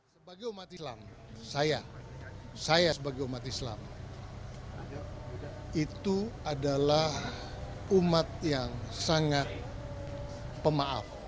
sebagai umat islam saya saya sebagai umat islam itu adalah umat yang sangat pemaaf